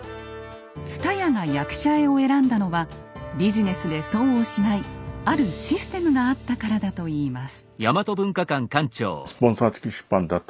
蔦谷が役者絵を選んだのはビジネスで損をしないあるシステムがあったからだといいます。